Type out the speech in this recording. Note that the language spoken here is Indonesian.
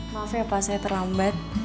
maaf ya pak saya terlambat